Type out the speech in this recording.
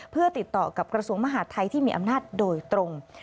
เพื่อติดต่อกับกระทรวงมหาดไทยที่มีอำนาจโดยตรง